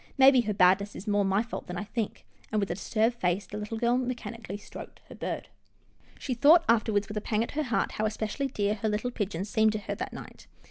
Maybe her badness is more my fault than I think," and, with a disturbed face, the little girl mechanically stroked her bird. She thought afterwards, with a pang at her heart, how especially dear her little pigeon seemed to her that night.